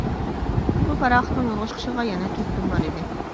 بۇ پاراخوتنىڭ يولغا چىقىشىغا يەنە تۆت كۈن بار ئىدى.